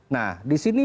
nah di sini